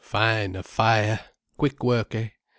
"Fine, a fire! Quick work, eh?